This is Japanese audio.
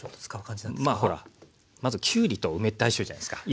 まあほらまずきゅうりと梅って相性いいじゃないですか。